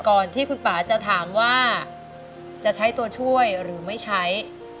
ก่อนที่คุณป่าจะถามว่าจะใช้ตัวช่วยหรือไม่ใช้